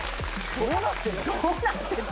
どうなってるの？